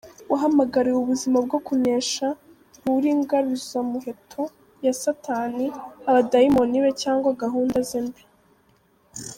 Wahamagariwe ubuzima bwo kunesha; nturi ingaruzwamuheto ya satani; abadayimoni be cywangwa gahunda ze mbi.